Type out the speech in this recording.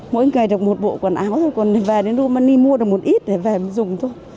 mỗi ngày được một bộ quần áo rồi còn về đến rumani mua được một ít để về dùng thôi